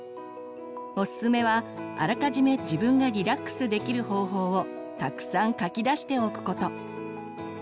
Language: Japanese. おすすめはあらかじめ自分がリラックスできる方法をたくさん書き出しておくこと。